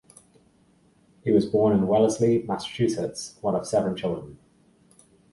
He was born in Wellesley, Massachusetts, one of seven children.